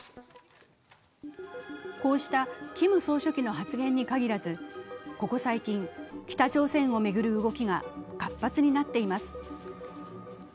こうしたキム総書記の発言に限らず、ここ最近、北朝鮮を巡る動きが活発になっています。